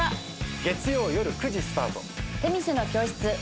月曜夜９時スタート。